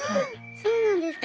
そうなんですか？